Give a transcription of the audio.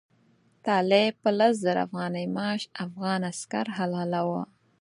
طالب په لس زره افغانۍ معاش افغان عسکر حلالاوه.